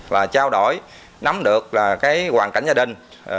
là trao đổi nắm được hoàn cảnh gia đình